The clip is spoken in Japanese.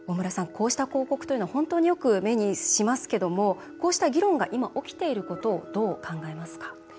こうした広告というのは本当によく目にしますけどもこうした議論が今、起きていることをどう考えますか？